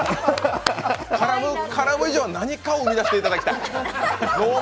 からむ以上は何かを生み出していただきたい。